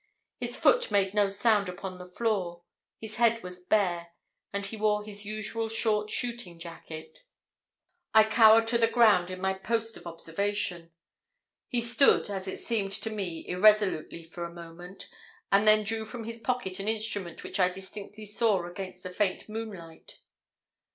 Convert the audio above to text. His foot made no sound upon the floor; his head was bare, and he wore his usual short shooting jacket. I cowered to the ground in my post of observation. He stood, as it seemed to me irresolutely for a moment, and then drew from his pocket an instrument which I distinctly saw against the faint moonlight.